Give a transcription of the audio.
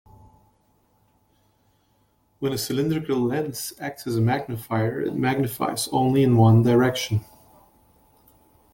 When a cylindrical lens acts as a magnifier, it magnifies only in one direction.